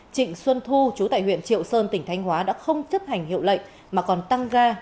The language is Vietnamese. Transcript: trịnh xuân thu chú tại huyện triệu sơn tỉnh thanh hóa đã không chấp hành hiệu lệnh mà còn tăng ga